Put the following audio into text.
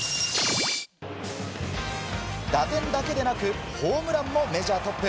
打点だけでなくホームランもメジャートップ。